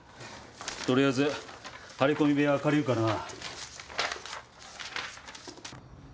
とりあえず張り込み部屋は借りるからな。